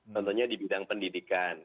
contohnya di bidang pendidikan